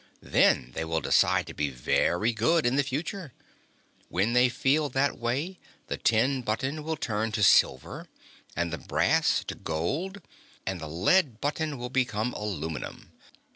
Then they will decide to be very good in the future. When they feel that way, the tin button will turn to silver and the brass to gold, while the lead button will become aluminum.